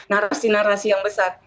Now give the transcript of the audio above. narasi narasi yang besar